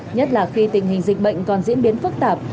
nhất là khi tình hình dịch bệnh còn diễn biến phức tạp